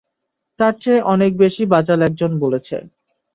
তার চেয়ে অনেক বেশি বাচাল একজন বলেছে।